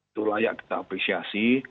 itu layak kita apresiasi